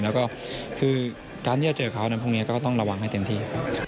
แล้วก็คือการที่จะเจอเขาแล้วก็ต้องระวังให้เต็มที